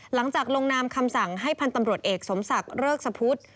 หลังจากลงนามคำสั่งให้พันธ์ตำรวจเอกสมศักดิ์เริกสพุทธ